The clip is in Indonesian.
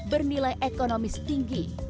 bernilai ekonomis tinggi